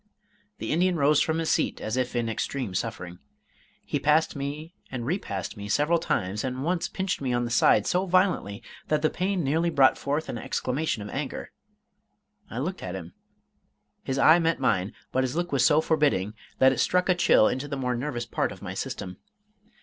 The Indian rose from his seat, as if in extreme suffering. He passed me and repassed me several times, and once pinched me on the side so violently that the pain nearly brought forth an exclamation of anger. I looked at him. His eye met mine; but his look was so forbidding that it struck a chill into the more nervous part of my system.